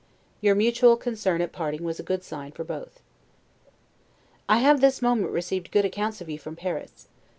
Your mutual concern at parting was a good sign for both. I have this moment received good accounts of you from Paris.